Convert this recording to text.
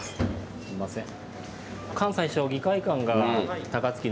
すいません。